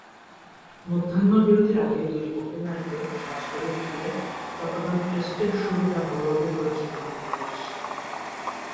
মধ্যাহ্নবিরতির আগেই দুই ওপেনারকে সাজঘরে ফিরিয়ে চট্টগ্রাম টেস্টের শুরুটা ভালোভাবেই করেছিল বাংলাদেশ।